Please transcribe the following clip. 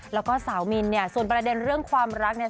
แล้วก็สาวมินเนี่ยส่วนประเด็นเรื่องความรักเนี่ย